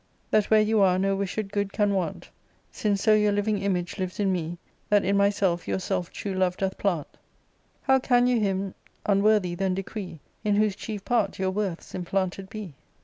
That where you are no wished good can want ; Since so your living image lives in me, That in myself yourself true love doth plant ; How can you him unworthy then decree [ In whose chief part your worths implanted be